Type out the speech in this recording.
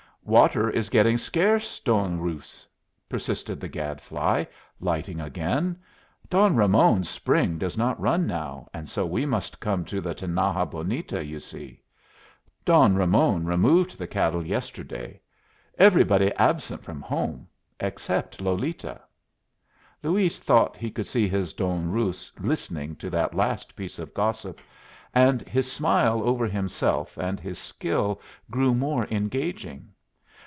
"Water is getting scarce, Don Ruz," persisted the gadfly, lighting again. "Don Ramon's spring does not run now, and so we must come to the Tinaja Bonita, you see. Don Ramon removed the cattle yesterday. Everybody absent from home, except Lolita." Luis thought he could see his Don Ruz listening to that last piece of gossip, and his smile over himself and his skill grew more engaging.